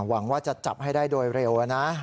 หวังว่าจะจับให้ได้โดยเร็วนะ